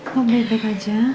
kamu baik baik aja